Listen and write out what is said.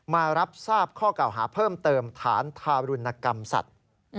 มารับทราบข้อเก่าหาเพิ่มเติมฐานทารุณกรรมสัตว์